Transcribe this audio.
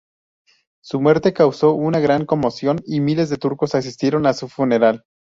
Su muerte causó una gran conmoción y miles de turcos asistieron a su funeral.